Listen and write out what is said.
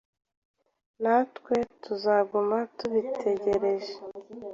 natwe tuzaguma tubitegereje